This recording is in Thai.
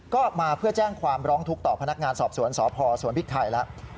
ก็มาเพื่อแจ้งความร้องทุกข์ต่อพนักงานสอบสวนสพสวนพริกไทยแล้ว